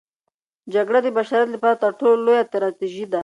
جګړه د بشریت لپاره تر ټولو لویه تراژیدي ده.